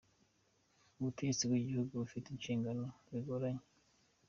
Ubutegetsi bwigihugu bufite incingano zigoranye.